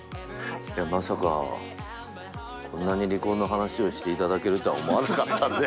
いやまさかこんなに離婚の話をして頂けるとは思わなかったんで。